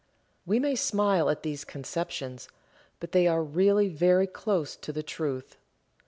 We may smile at these conceptions, but they are really very close to the truth.